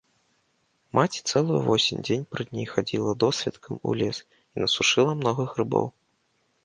Маці цэлую восень дзень пры дні хадзіла досвіткам у лес і насушыла многа грыбоў.